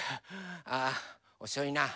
あおそいな。